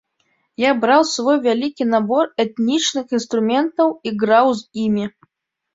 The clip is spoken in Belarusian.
Я браў свой вялікі набор этнічных інструментаў і граў з імі.